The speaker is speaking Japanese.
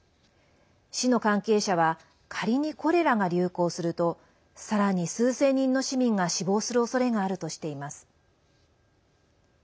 市の関係者は仮にコレラが流行するとさらに数千人の市民が死亡するおそれがあるとしています。